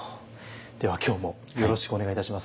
では今日もよろしくお願いいたします。